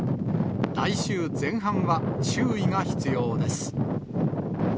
来週前半は注意が必要です。